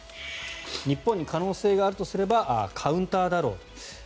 日本に可能性があるとすればカウンターだろう。